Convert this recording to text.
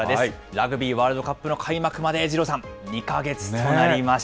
ラグビーワールドカップの開幕まで、二郎さん、２か月となりまし